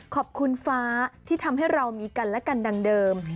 ฟ้าที่ทำให้เรามีกันและกันดังเดิม